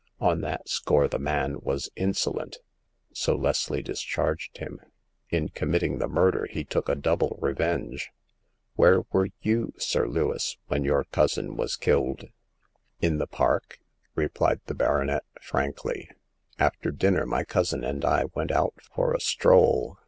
On that score the man was insolent ; so Leslie discharged him. In commit ting the murder, he took a double revenge." *' Where were you, "Sir Lewis, when your cousin was killed ?"In the park," replied the baronet, frankly, " After dinner my cousin and I went out for a stroll.